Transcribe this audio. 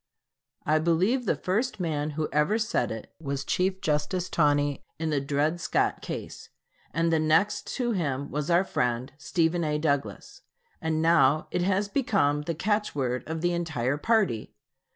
I believe the first man who ever said it was Chief Justice Taney in the Dred Scott case, and the next to him was our friend, Stephen A. Douglas. And now it has become the catchword of the entire party.